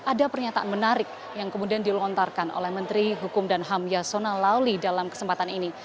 ada pernyataan menarik yang kemudian dilontarkan oleh menteri hukum dan ham yasona lawli dalam kesempatan ini